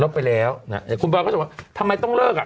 ลบไปแล้วแต่คุณบอลก็จะบอกทำไมต้องเลิกอะ